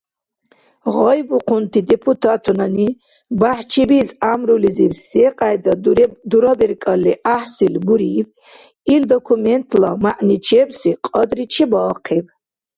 Гъайбухъунти депутатунани БяхӀчибиз гӀямрулизиб секьяйда дураберкӀалли гӀяхӀсил буриб, ил документла мягӀничебси кьадри чебаахъиб.